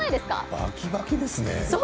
バキバキですね。